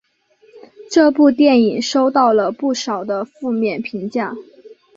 这部电影收到了不少的负面评价。